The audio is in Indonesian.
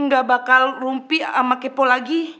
gak bakal rumpi sama kepo lagi